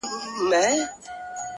• پام چي توی نه کړې مرغلیني اوښکي ,